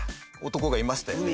男がいましたよね。